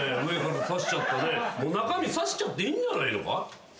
中身さしちゃっていいんじゃないのか？